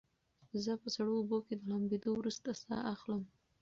زه په سړو اوبو کې د لامبېدو وروسته ساه اخلم.